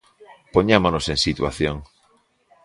Poñámonos en situación.